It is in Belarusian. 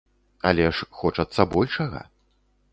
Але ж хочацца большага.